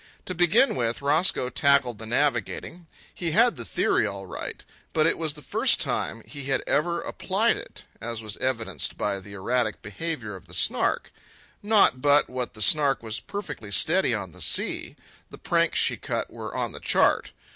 To begin with, Roscoe tackled the navigating. He had the theory all right, but it was the first time he had ever applied it, as was evidenced by the erratic behaviour of the Snark. Not but what the Snark was perfectly steady on the sea; the pranks she cut were on the chart.